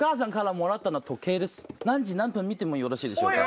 何時何分見てよろしいですか？